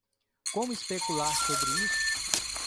Como especular sobre isso?